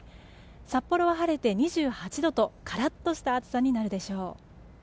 札幌は晴れて２８度とカラッとした暑さになるでしょう。